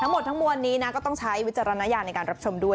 ทั้งหมดทั้งมวลนี้นะก็ต้องใช้วิจารณญาณในการรับชมด้วย